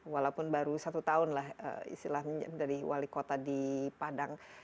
walaupun baru satu tahun lah istilahnya dari wali kota di padang